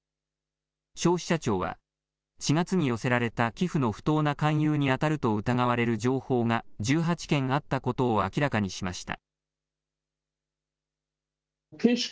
消費者庁は４月に寄せられた寄付の不当な勧誘にあたると疑われる情報が１８件あったことを明らかにしました。